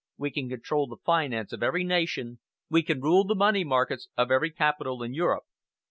We can control the finance of every nation, we can rule the money markets of every capital in Europe.